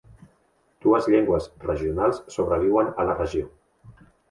Dues llengües regionals sobreviuen a la regió.